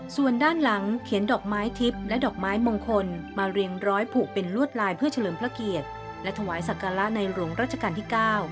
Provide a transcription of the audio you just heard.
ส่วนด้านหลังเขียนดอกไม้ทิพย์และดอกไม้มงคลมาเรียงร้อยผูกเป็นลวดลายเพื่อเฉลิมพระเกียรติและถวายศักระในหลวงราชการที่๙